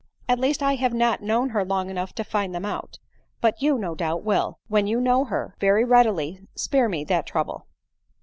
" At least I have not known her long enough to find them out ; but you, no doubt, will, when you know her, very readily spare me that trouble."